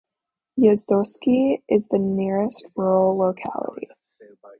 Yezdotsky is the nearest rural locality.